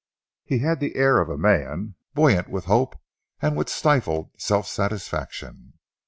He had the air of a man buoyant with hope and with stifled self satisfaction.